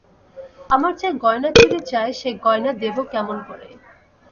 আমার যে গয়না চুরি যায় সে গয়না দেব কেমন করে?